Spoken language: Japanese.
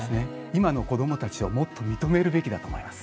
今の子どもたちをもっと認めるべきだと思います。